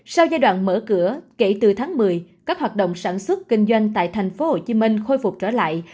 sau giai đoạn mở cửa kể từ tháng một mươi các hoạt động sản xuất kinh doanh tại tp hcm khôi phục trở lại